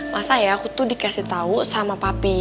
masa ya aku tuh dikasih tahu sama papi